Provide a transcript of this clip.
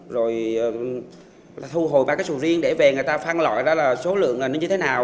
rồi thu hồi ba cái sổ riêng để về người ta phan loại ra là số lượng như thế nào